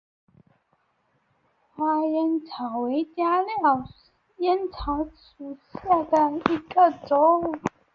花烟草为茄科烟草属下的一个种。